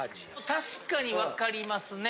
確かにわかりますね。